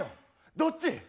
どっち？